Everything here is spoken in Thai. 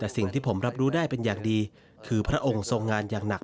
แต่สิ่งที่ผมรับรู้ได้เป็นอย่างดีคือพระองค์ทรงงานอย่างหนัก